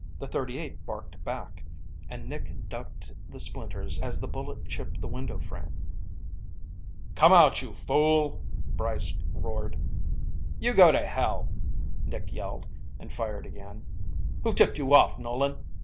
The .38 barked back and Nick ducked the splinters as the bullet chipped the window frame. "Come out, you fool," Brice roared. "You go to hell," Nick yelled and fired again. "Who tipped you off, Nolan?